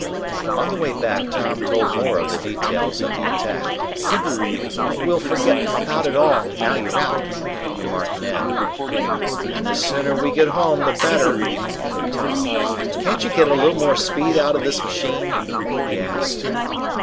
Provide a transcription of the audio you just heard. On the way back Tom told more of the details of the attack. "But we'll forget about it all, now you're out," remarked Ned. "And the sooner we get home, the better," added Tom. "Can't you get a little more speed out of this machine?" he asked.